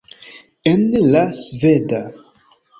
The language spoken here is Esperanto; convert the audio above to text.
En la sveda.